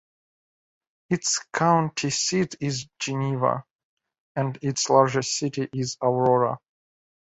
Its county seat is Geneva, and its largest city is Aurora.